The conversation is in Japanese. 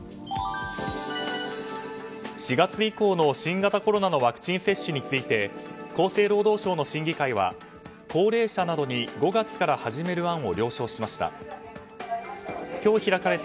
４月以降の新型コロナのワクチン接種について厚生労働省の審議会は高齢者などに５月から始める案を了承しました。